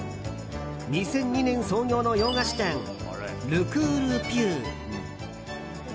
２００２年創業の洋菓子店ルクールピュー。